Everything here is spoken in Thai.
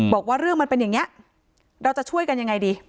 บอกว่าเรื่องมันเป็นอย่างนี้เราจะช่วยกันยังไงดี